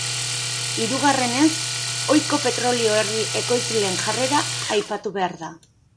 Hirugarrenez, ohiko petrolio herri ekoizleen jarrera aipatu behar da.